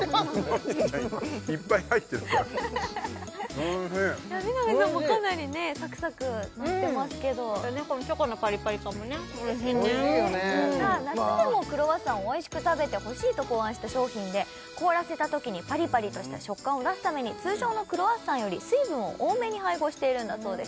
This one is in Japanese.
いっぱい入ってるからおいしい南さんもかなりねサクサク鳴ってますけどこのチョコのパリパリ感もねおいしいね夏でもクロワッサンをおいしく食べてほしいと考案した商品で凍らせたときにパリパリとした食感を出すために通常のクロワッサンより水分を多めに配合しているんだそうです